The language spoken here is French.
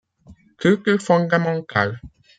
Cultures fondamentales.